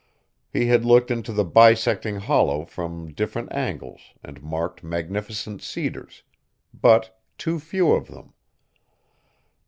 He had looked into the bisecting hollow from different angles and marked magnificent cedars, but too few of them.